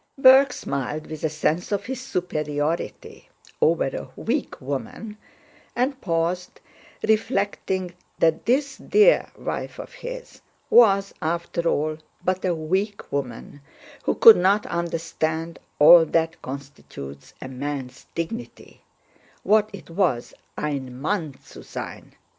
Berg smiled with a sense of his superiority over a weak woman, and paused, reflecting that this dear wife of his was after all but a weak woman who could not understand all that constitutes a man's dignity, what it was ein Mann zu sein.